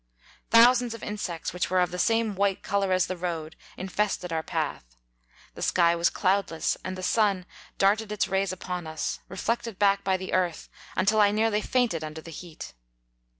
Thou sands of insects, which were of the same white colour as the road, infested our path ; the sky was cloudless, and the sun darted its rays upon us, reflected back by the earth, until I nearly fainted under the heat.